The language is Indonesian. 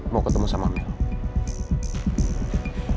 mau ketemu sama mel